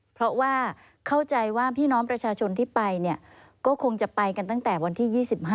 เพราะว่าเข้าใจว่าพี่น้องประชาชนที่ไปเนี่ยก็คงจะไปกันตั้งแต่วันที่๒๕